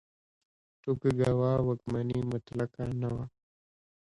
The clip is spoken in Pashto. توکوګاوا واکمني مطلقه نه وه.